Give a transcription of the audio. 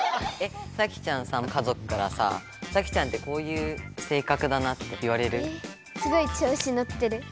サキちゃんさ家族からさサキちゃんてこういう性格だなって言われる？